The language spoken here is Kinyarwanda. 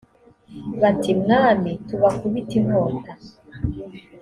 bati mwami tubakubite inkota